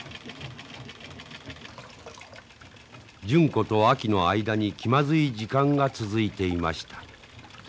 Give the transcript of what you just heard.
純子とあきの間に気まずい時間が続いていました。